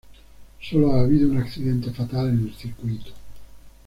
Sólo ha habido un accidente fatal en el circuito.